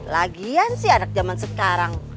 lagian sih anak zaman sekarang